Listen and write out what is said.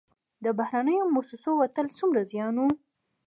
د بهرنیو موسسو وتل څومره زیان و؟